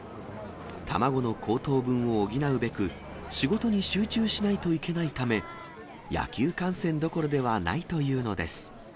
卵の高騰分を補うべく、仕事に集中しないといけないため、野球観戦どころではないというのです。